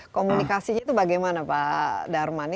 komunikasinya itu bagaimana pak darman